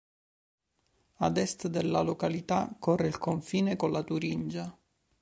Ad est della località corre il confine con la Turingia.